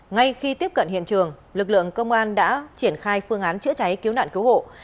ngay khi tiếp cận hiện trường lực lượng công an đã triển khai phương án chữa cháy cứu nạn cứu hộ